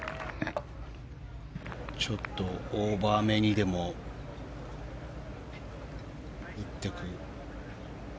ちょっとオーバーめにでも打っていく。